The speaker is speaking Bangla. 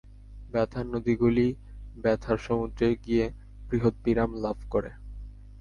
ব্যথার নদীগুলি ব্যথার সমুদ্রে গিয়ে বৃহৎ বিরাম লাভ করে।